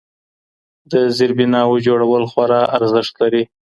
د زیربناوو جوړول خورا ارزښت لري.